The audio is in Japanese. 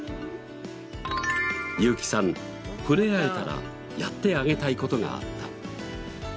ユーキさん触れ合えたらやってあげたい事があった。